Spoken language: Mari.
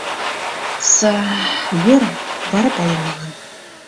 Са... йӧра, вара пален налам.